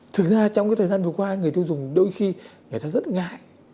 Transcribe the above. thực ra trong cái thời gian vừa qua người tiêu dùng đôi khi người ta rất ngại